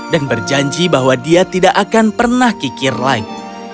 dan berjanji bahwa dia tidak akan pernah kikir lain